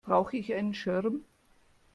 Brauche ich einen Schirm?